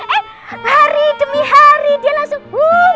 eh hari demi hari dia langsung